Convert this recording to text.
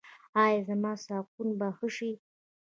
ایا زما ساقونه به ښه شي؟